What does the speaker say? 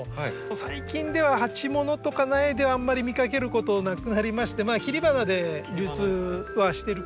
最近では鉢物とか苗ではあんまり見かけることなくなりまして切り花で流通はしてるかなというふうに思います。